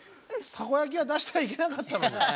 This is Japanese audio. たこ焼きは出したらいけなかったのに。